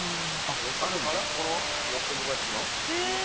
この六角橋の？